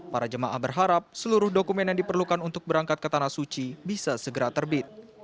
para jemaah berharap seluruh dokumen yang diperlukan untuk berangkat ke tanah suci bisa segera terbit